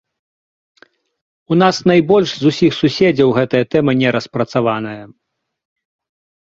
У нас найбольш з усіх суседзяў гэтая тэма не распрацаваная.